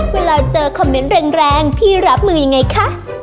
เวลาเจอคอมเมนต์แรงพี่รับมือยังไงคะ